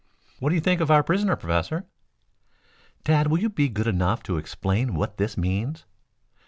"What do you think of our prisoner, Professor?" "Tad, will you be good enough to explain what this means?"